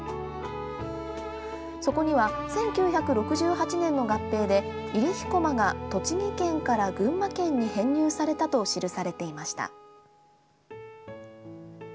そこには、１９６８年の合併で入飛駒が栃木県から群馬県に編入されたと記されていました。